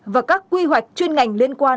và các quy hoạch chuyên ngành liên quan